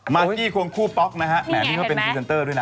มากกี้ควงคู่ป๊อกนะฮะแหมนี่เขาเป็นพรีเซนเตอร์ด้วยนะ